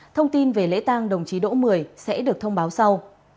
thông tin về lễ tang đồng chí đỗ mười sẽ được thông báo sau